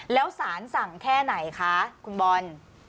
แล้วสารสั่งแค่ไหนคะคุณบอล